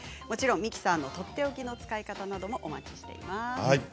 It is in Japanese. もちろんミキサーのとっておきの使い方などもお待ちしています。